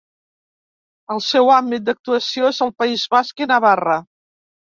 El seu àmbit d'actuació és el País Basc i Navarra.